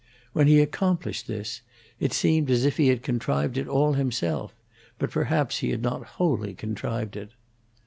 When he accomplished this, it seemed as if he had contrived it all himself, but perhaps he had not wholly contrived it.